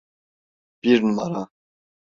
Bir numara!